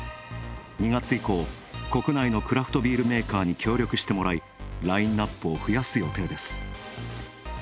２月以降、国内のクラフトビールメーカーに協力してもらい、ラインナップを増やす予定です。